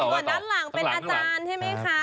วันตอนเป็นอาจารย์ใช่ไหมคะ